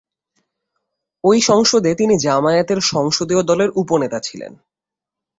ওই সংসদে তিনি জামায়াতের সংসদীয় দলের উপ-নেতা ছিলেন।